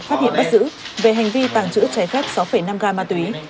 phát hiện bắt giữ về hành vi tàng trữ trái phép sáu năm ga ma túy